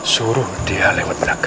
suruh dia lewat perjalanan kita